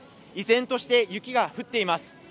依然として雪が降っています。